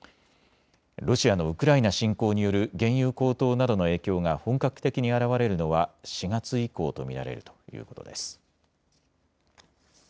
ロシアのウクライナ侵攻よる原油高騰などの影響が本格的に表れるのは４月以降と見られるということです。